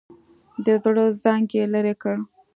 د زړه زنګ یې لرې کړ.